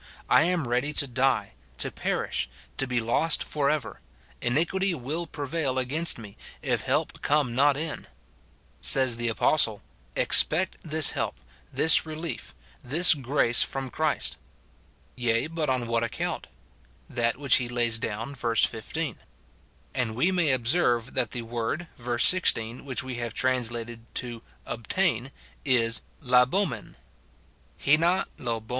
I am ready to die, to perish, to be lost for ever ; iniquity will prevail against me, if help come not in." Says the apostle, "Expect this help, this relief, this grace from Christ." Yea, but on what account ? That which he lays down, verse 15. And we may observe that the word, verse 16, which we have translated to "obtain," is Xa€w,asv — iW Xa§w/j.